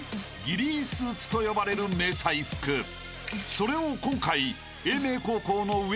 ［それを今回］